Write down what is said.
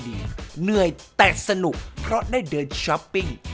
เหนื่อยแต่สนุกเพราะได้เดินช้อปปิ้ง